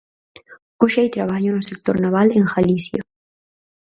Hoxe hai traballo no sector naval en Galicia.